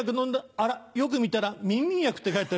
あらよく見たらミンミン薬って書いてある。